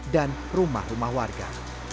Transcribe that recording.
dan rumah rumah warga